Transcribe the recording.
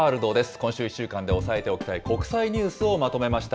今週１週間で押さえておきたい国際ニュースをまとめました。